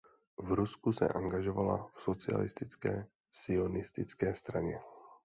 V Rusku se angažovala v socialistické sionistické straně.